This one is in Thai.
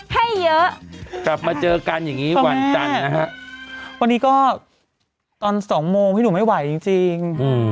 ให้เยอะกลับมาเจอกันอย่างนี้วันจันทร์นะฮะวันนี้ก็ตอนสองโมงพี่หนูไม่ไหวจริง